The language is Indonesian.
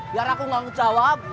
biar aku nggak ngejawab